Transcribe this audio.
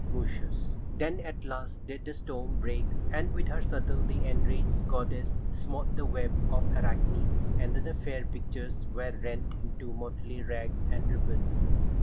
Moschus. Then at last did the storm break, and with her shuttle the enraged goddess smote the web of Arachne, and the fair pictures were rent into motley rags and ribbons.